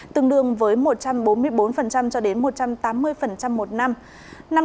tương đương với một trăm bốn mươi bốn cho đến một trăm tám mươi một năm